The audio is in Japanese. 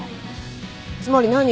つまり何？